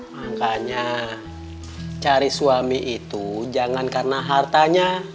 makanya cari suami itu jangan karena hartanya